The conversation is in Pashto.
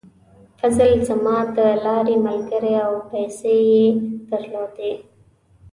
فضل زما د لارې ملګری و او پیسې یې درلودې.